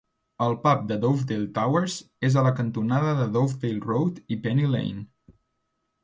El pub de Dovedale Towers és a la cantonada de Dovedale Road i Penny Lane.